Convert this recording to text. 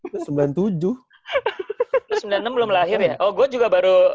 terus sembilan puluh enam belum lahir ya oh gue juga baru